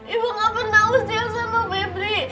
ibu gak pernah usia sama febri